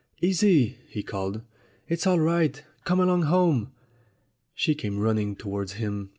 "Isie!" he called. "It's all right. Come along home." She came running towards him.